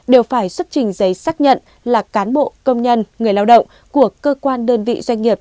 đều phải xuất trình giấy xác nhận là cán bộ công nhân người lao động của cơ quan đơn vị doanh nghiệp